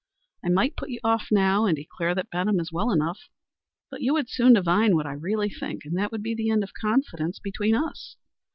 I might put you off now, and declare that Benham is well enough. But you would soon divine what I really think, and that would be the end of confidence between us.